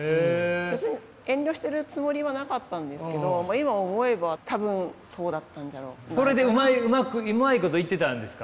別に遠慮してるつもりはなかったんですけど今思えば多分そうだったんじゃ。それでうまいこといってたんですか？